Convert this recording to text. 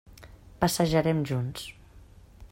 Passejarem junts.